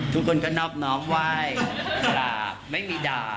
ทุกคนก็นอบน้องไหว